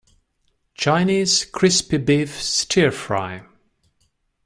Chinese crispy beef stir fry.